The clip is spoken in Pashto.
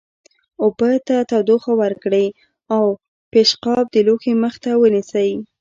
اوبو ته تودوخه ورکړئ او پیشقاب د لوښي مخ ته ونیسئ.